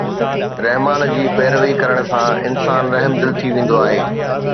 رحمان جي پيروي ڪرڻ سان انسان رحمدل ٿي ويندو آهي.